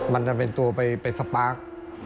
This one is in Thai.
มันจะเป็นตัวไปสปาร์ค